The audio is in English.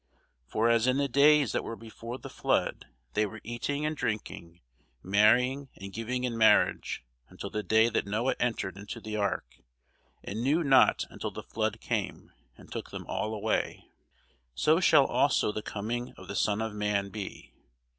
For as in the days that were before the flood they were eating and drinking, marrying and giving in marriage, until the day that Noe entered into the ark, and knew not until the flood came, and took them all away; so shall also the coming of the Son of man be.